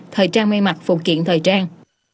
thời trang mây mặt phụ kiện thời trang